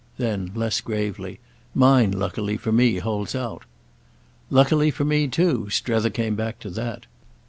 Then less gravely: "Mine, luckily for me, holds out." "Luckily for me too"—Strether came back to that.